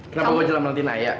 kenapa gue jelah nantiin ayah